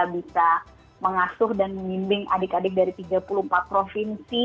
bisa mengasuh dan membimbing adik adik dari tiga puluh empat provinsi